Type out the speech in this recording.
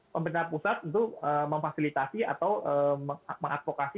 pemerintah pusat untuk memfasilitasi atau mengadvokasi